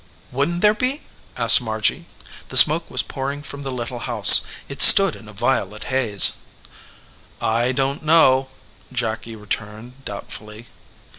"Wouldn t there be ?" asked Margy. The smoke* was pouring from the little house. It stood in a violet haze. "I don t know," Jacky returned, doubtfully.